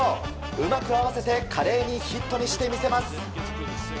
うまく合わせて華麗にヒットにして見せます。